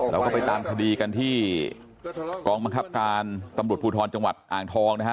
เราก็ไปตามคดีกันที่กองบังคับการตำรวจภูทรจังหวัดอ่างทองนะฮะ